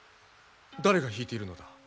誰が弾いているのだ？